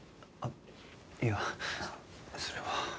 あっいやそれは。